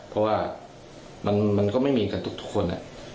เพราะว่ามันก็ไม่มีกันทุกคน